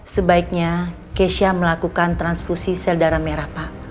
sebaiknya kesha melakukan transfusi sel darah merah pak